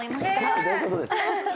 どういうことですか？